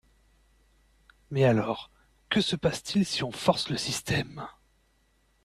Mais alors que se passe-t-il si on force le système?